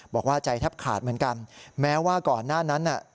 บอกว่าใจแทบขาดเหมือนกันแม้ว่าก่อนหน้านั้นน่ะ